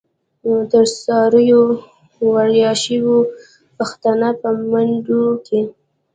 تر څارویو وړیاشوی، پیښتنه په منډوی کی